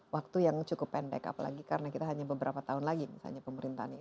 waktu yang cukup pendek apalagi karena kita hanya beberapa tahun lagi misalnya pemerintahan ini